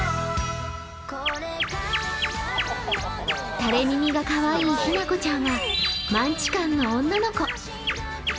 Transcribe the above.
たれ耳がかわいいひな子ちゃんはマンチカンの女の子。